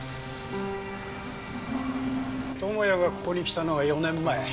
友也がここに来たのは４年前。